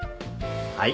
はい。